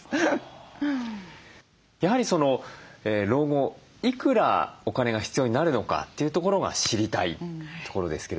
やはり老後いくらお金が必要になるのかというところが知りたいところですけれども目安をですね